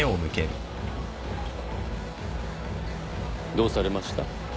どうされました？